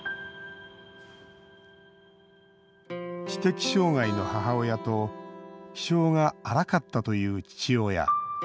知的障害の母親と気性が荒かったという父親。